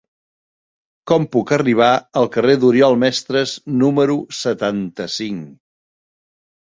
Com puc arribar al carrer d'Oriol Mestres número setanta-cinc?